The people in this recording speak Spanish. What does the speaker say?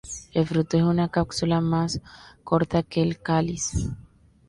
El fruto es una cápsula, más corta que el cáliz.